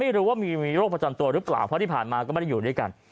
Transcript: ไม่รู้ว่ามีโรคประจำตัวหรือเปล่าเพราะที่ผ่านมาก็ไม่ได้อยู่ด้วยกัน